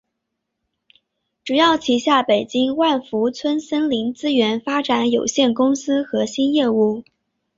主要旗下北京万富春森林资源发展有限公司核心业务。